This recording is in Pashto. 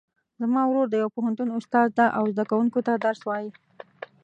زما ورور د یو پوهنتون استاد ده او زده کوونکو ته درس وایي